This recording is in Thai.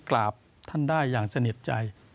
กราบท่านได้อย่างสนิทใจ